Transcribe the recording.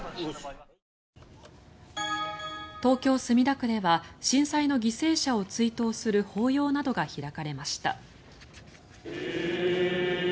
東京・墨田区では震災の犠牲者を追悼する法要などが開かれました。